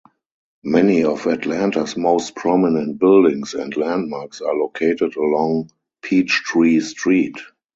Many of Atlanta's most prominent buildings and landmarks are located along Peachtree Street.